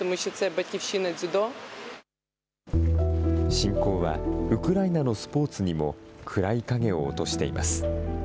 侵攻はウクライナのスポーツにも暗い影を落としています。